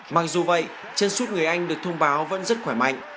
mặc dù vậy chân suốt người anh được thông báo vẫn rất khỏe mạnh